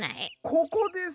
・ここです。